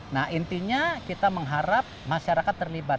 nah intinya kita mengharap masyarakat terlibat